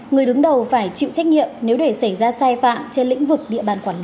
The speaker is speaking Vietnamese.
người đứng đầu phải chịu trách nhiệm nếu để xảy ra sai phạm trên lĩnh vực địa bàn quản lý